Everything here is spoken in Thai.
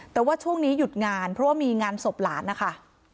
แต่ว่าช่วงนี้หยุดงานเพราะว่ามีงานศพหลานนะคะ